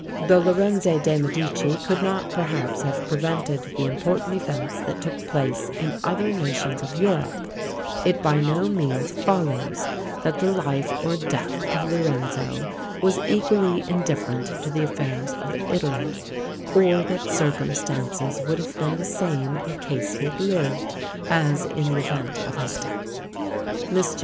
"Though Lorenzo de' Medici could not perhaps have prevented the important events that took place in other nations of Europe, it by no means follows that the life or death of Lorenzo was equally indifferent to the affairs of Italy, or that circumstances would have been the same in case he had lived, as in the event of his death." Mr.